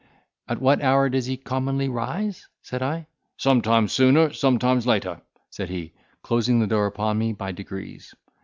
"At what hour does he commonly rise?" said I. "Sometimes sooner, sometimes later," said he, closing the door upon me by degrees.